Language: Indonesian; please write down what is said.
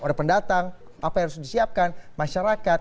apa yang harus disiapkan masyarakat